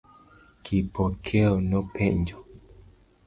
Kipokeo nopenjo.